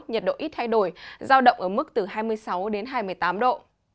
nhiệt độ ít thay đổi giao động ở mức từ hai mươi sáu đến hai mươi tám độ